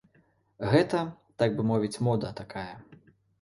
Гэта, так бы мовіць, мода такая.